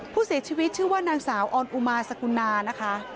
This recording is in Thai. ผู้เสียชีวิตชื่อว่านางสาวออนอุมาสกุณานะคะ